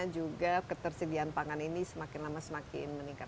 juga ketersediaan pangan ini semakin lama semakin meningkat